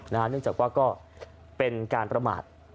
เนื่องจากว่าก็เป็นการประมาท